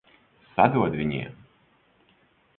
Sadod viņiem!